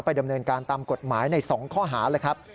ดำเนินการตามกฎหมายใน๒ข้อหาเลยครับ